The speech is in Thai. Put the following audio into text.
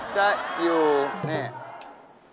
จะอยู่นี่